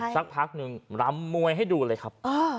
สักพักหนึ่งรำมวยให้ดูเลยครับ